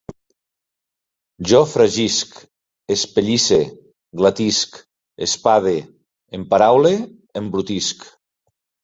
Jo fregisc, espellisse, glatisc, espade, emparaule, embrutisc